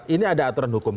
ini ada aturan hukum